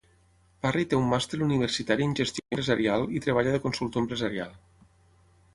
Parry té un Màster Universitari en Gestió Empresarial i treballa de consultor empresarial.